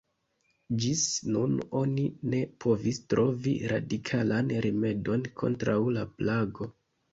Ĝis nun oni ne povis trovi radikalan rimedon kontraŭ la plago.